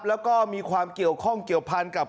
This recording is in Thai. แล้วก็มีความเกี่ยวข้องเกี่ยวพันกับ